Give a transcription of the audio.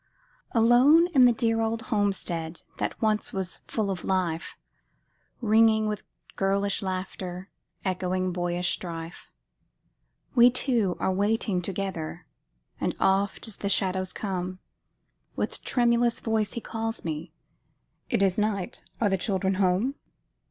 Alone in the dear old homestead That once was full of life, Ringing with girlish laughter, Echoing boyish strife, We two are waiting together; And oft, as the shadows come, With tremulous voice he calls me, "It is night! are the children home?"